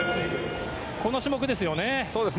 この種目ですよね。